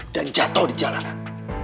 dan jatoh di jalanan